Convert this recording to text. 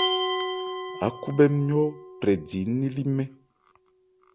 Ákhúbhɛ́ nmyɔ́ phrɛ di nnili nmɛ́n.